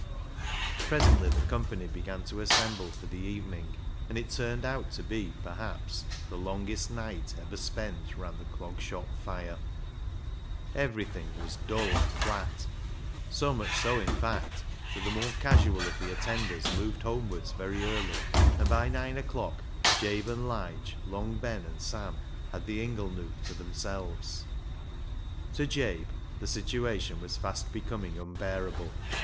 Presently the company began to assemble for the evening, and it turned out to be, perhaps, the longest night ever spent round the Clog Shop fire. i88 BECKSIDE LIGHTS Everything was dull and flat ; so much so, in fact, that the more casual of the attenders moved homewards very early, and by nine o'clock Jabe and Lige, Long Ben and Sam, had the ingle nook to themselves. To Jabe the situation was fast becoming unbearable.